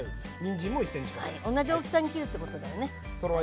同じ大きさに切るってことだよね。